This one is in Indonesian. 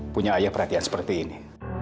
punya ayah perhatian seperti ini